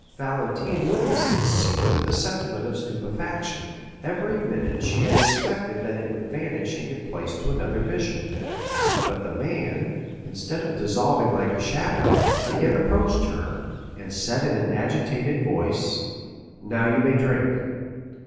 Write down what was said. Valentine witnessed this scene with a sentiment of stupefaction. Every minute she had expected that it would vanish and give place to another vision; but the man, instead of dissolving like a shadow, again approached her, and said in an agitated voice, "Now you may drink."